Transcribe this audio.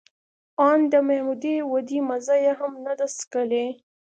آن د محدودې ودې مزه یې هم نه ده څکلې